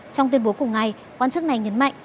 trong tuyên bố cùng ngày quan chức này nhấn mạnh